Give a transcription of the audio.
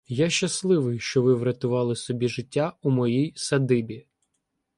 — Я щасливий, що ви врятували собі життя у моїй садибі.